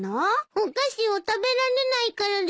お菓子を食べられないからです。